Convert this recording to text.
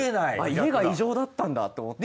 家が異常だったんだと思って。